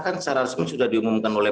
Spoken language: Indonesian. kan secara resmi sudah diumumkan oleh